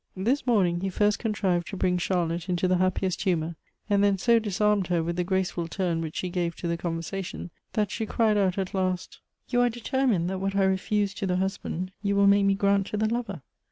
This morning, he first contrived to bring Charlotte into the happiest humor, and then so disarmed her with the graceful turn which he gave to the conversation, that she cried out at last : 12 Goethe's " You are determined that what I refused to the hus band you will make me grant to the lover.